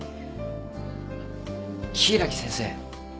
柊木先生